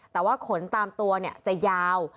แต่ว่าขนตามตัวจะยาว